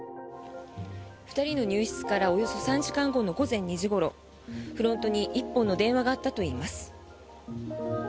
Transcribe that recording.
２人の入室からおよそ３時間後の午前２時ごろフロントに１本の電話があったといいます。